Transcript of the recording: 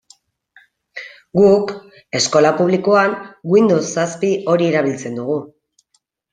Guk, eskola publikoan, Windows zazpi hori erabiltzen dugu.